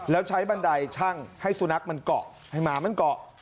แล้วใช้บันไดชั่งให้สุนัขมันเกาะให้หมามันเกาะ